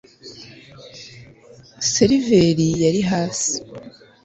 seriveri yari hasi